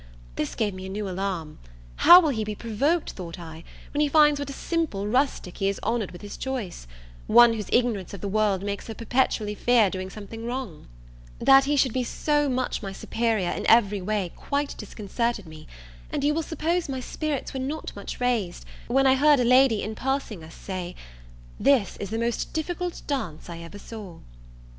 This gave me a new alarm: how will he be provoked, thought I, when he finds what a simple rustic he has honoured with his choice! one whose ignorance of the world makes her perpetually fear doing something wrong! That he should be so much my superior in every way, quite disconcerted me; and you will suppose my spirits were not much raised, when I heard a lady, in passing us, say, "This is the most difficult dance I ever saw."